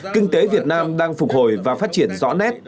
kinh tế việt nam đang phục hồi và phát triển rõ nét